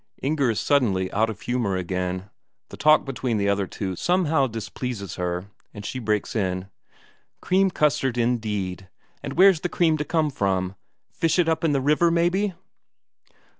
Inger is suddenly out of humour again. The talk between the other two somehow displeases her, and she breaks in: "Cream custard indeed! And where's the cream to come from? Fish it up in the river, maybe?"